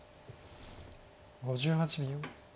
５８秒。